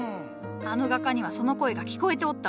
あの画家にはその声が聞こえておったわ。